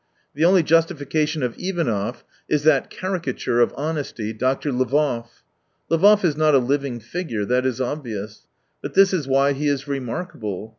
The only justification of Ivanov is that caricature of honesty, Doctor Lvov. Ltbv is not a living figure — that is obvious. But this is why he is remarkable.